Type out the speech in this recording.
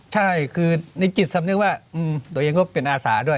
ใช่คือในจิตสำนึกว่าตัวเองก็เป็นอาสาด้วย